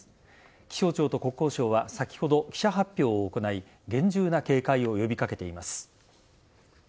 気象庁と国交省は先ほど、記者発表を行い厳重な警戒を呼び掛けています。